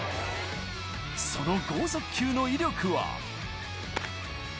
その剛速球の威力は。